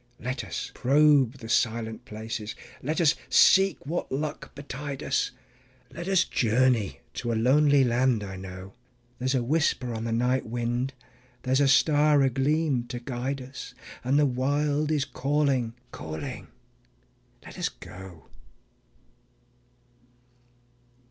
Let us probe the silent places, let us seek what luck betide us; Let us journey to a lonely land I know. There's a whisper on the night wind, there's a star agleam to guide us, And the Wild is calling, calling. . .let us go.